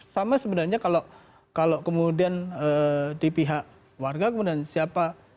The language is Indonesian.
sama sebenarnya kalau kemudian di pihak warga kemudian siapa